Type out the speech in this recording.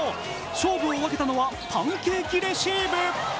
勝負を分けたのはパンケーキレシーブ。